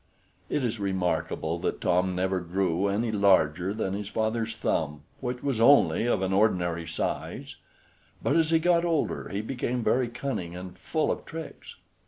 It is remarkable that Tom never grew any larger than his father's thumb, which was only of an ordinary size; but as he got older he became very cunning and full of tricks.